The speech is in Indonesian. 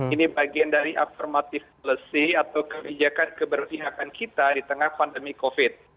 ini bagian dari aftermative policy atau kebijakan keberpihakan kita di tengah pandemi covid